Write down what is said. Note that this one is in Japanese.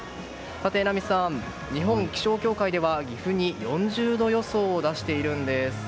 榎並さん、日本気象協会では岐阜に４０度予想を出しているんです。